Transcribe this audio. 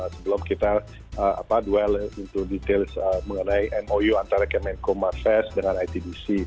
sebelum kita dwell into details mengenai mou antara kemenko marfes dengan itdc